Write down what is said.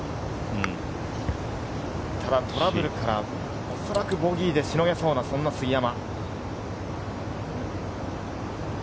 ただトラブルから、おそらくボギーでしのげそうな杉山。